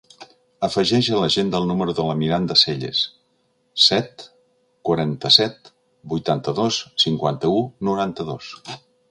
Afegeix a l'agenda el número de la Miranda Selles: set, quaranta-set, vuitanta-dos, cinquanta-u, noranta-dos.